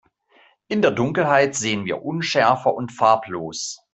In der Dunkelheit sehen wir unschärfer und farblos.